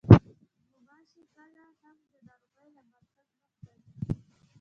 غوماشې کله هم د ناروغۍ له مرکز نه خپرېږي.